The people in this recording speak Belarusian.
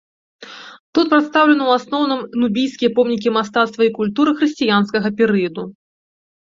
Тут прадстаўлены ў асноўным нубійскія помнікі мастацтва і культуры хрысціянскага перыяду.